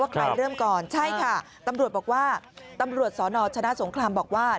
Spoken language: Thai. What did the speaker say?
ใครเริ่มก่อนใช่ค่ะตำรวจบอกว่าตำรวจสนชนะสงครามบอกว่า